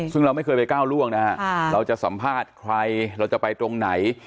ซึ่งเราไม่เคยไปก้าวล่วงนะฮะเราจะสัมภาษณ์ใครเราจะไปตรงไหน